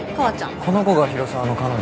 この子が広沢の彼女？